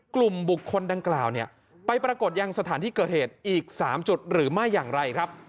กลุ่มบุคคลดังกล่าวเนี่ยไปปรากฏยังสถานที่เกิดเหตุอีก๓จุดหรือไม่อย่างไรครับ